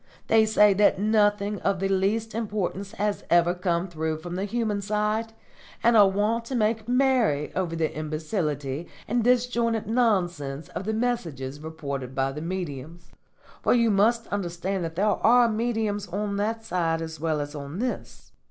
They say that nothing of the least importance has ever come through from the human side, and are wont to make merry over the imbecility and disjointed nonsense of the messages reported by the mediums; for you must understand that there are mediums on that side as well as on this.